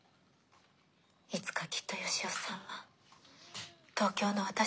いつかきっと義雄さんは東京の私たち